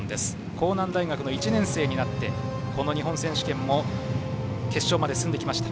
甲南大学の１年生になってこの日本選手権も決勝まで進んできました。